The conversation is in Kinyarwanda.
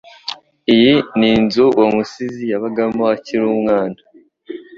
Iyi ni inzu uwo musizi yabagamo akiri umwana.